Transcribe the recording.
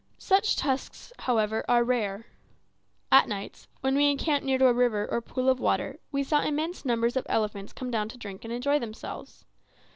Such tusks, however, were rare. At nights, when we encamped near to a river or pool of water, we saw immense numbers of elephants come down to drink and enjoy themselves.